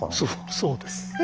そうです。え！